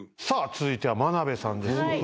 さあ続いては眞鍋さんです。